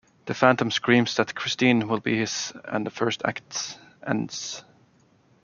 The Phantom screams that Christine will be his and the first act ends.